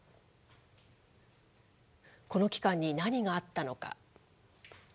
この期間に何があったのか。